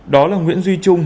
đó là nguyễn duy trung